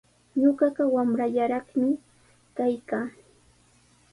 Ñuqaqa wamrallaykimi kaykaa.